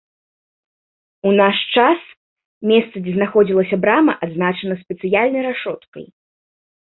У наш час, месца дзе знаходзілася брама адзначана спецыяльнай рашоткай.